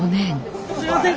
すいません！